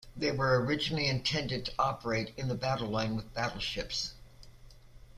They were originally intended to operate in the battle line with battleships.